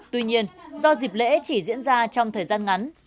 tuy nhiên do dịp lễ chỉ diễn ra trong thời gian ngắn